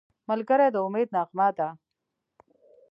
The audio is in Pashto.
ملګری د امید نغمه ده